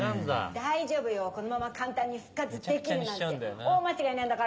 大丈夫よこのまま簡単に復活できるなんて大間違いなんだから！